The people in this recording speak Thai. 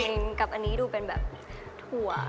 มันม่วงกับอันนี้ดูเป็นแบบถั่ว